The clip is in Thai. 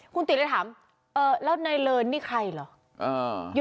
คุณติเลยถามแล้วนายเลินนี่ใครเหรอ